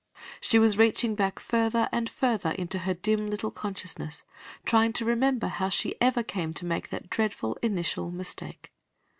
She was reaching back farther and farther into her dim little consciousness, trying to remember how she ever came to make that dreadful initial mistake.